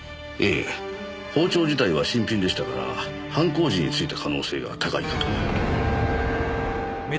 ええ包丁自体は新品でしたから犯行時についた可能性が高いかと。